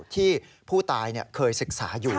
ที่ผู้ตายเคยศึกษาอยู่